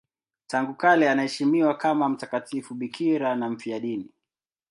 Tangu kale anaheshimiwa kama mtakatifu bikira na mfiadini.